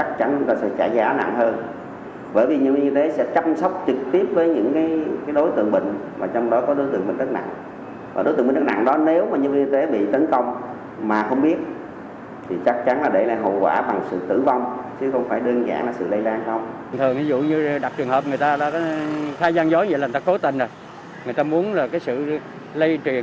trước việc che giấu khai báo y tế